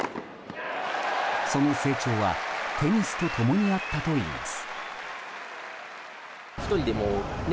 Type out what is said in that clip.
その成長はテニスと共にあったといいます。